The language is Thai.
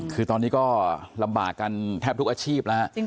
คือตอนนี้ก็ลำบากกันแทบทุกอาชีพแล้วฮะ